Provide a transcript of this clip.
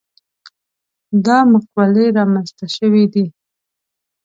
دا مقولې رامنځته شوي دي.